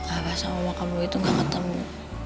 ayah sama makamu itu gak ketemu